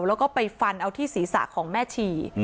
แล้วก็ไปฟันเอาที่ศีรษะของแม่ชี